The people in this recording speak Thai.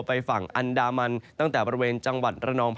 ไปดูกันต่อนะครับที่บริเวณจังหวัดบุรีลำนะครับ